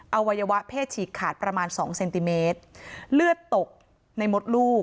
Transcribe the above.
อวัยวะเพศฉีกขาดประมาณสองเซนติเมตรเลือดตกในมดลูก